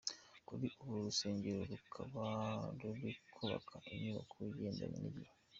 Kuri ubu uru rusengero rukaba ruri kubaka inyubako igendanye n’igihe.